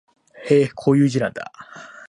へえ、こういう字なんだ